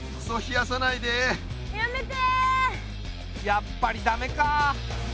やっぱり駄目か。